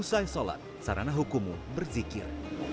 usai sholat sarana hukumu berzikir